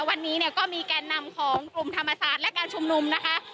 วันนี้เนี่ยก็มีแก่นนำของกลุ่มธรรมศาสตร์และการชุมนุมนะคะ